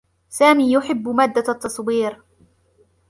سامي يحبّ مادّة التّصوير.